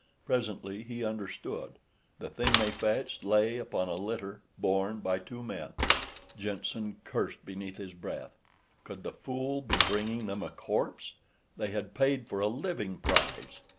Presently he understood. The thing they fetched lay upon a litter borne by two men. Jenssen cursed beneath his breath. Could the fool be bringing them a corpse? They had paid for a living prize!